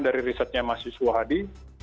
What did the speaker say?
dari risetnya mas yiswa hadi